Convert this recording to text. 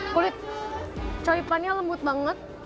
kulit choy pan lembut banget